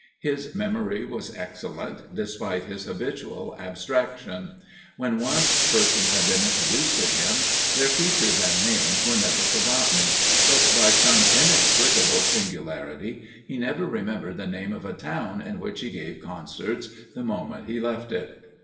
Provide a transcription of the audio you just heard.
His memory was excellent, despite his habitual abstraction. When once persons had been introduced to him, their features and names were never forgotten; but, by some inexplicable singularity, he never remembered the name of a town in which he gave concerts the moment he left it.